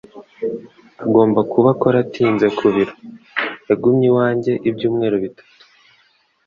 Agomba kuba akora atinze ku biro. Yagumye iwanjye ibyumweru bitatu.